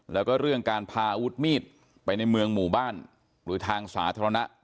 แล้วก็เรื่องการพาอาวุธมีดไปในเมืองหมู่บ้านหรือทางสาธารณะ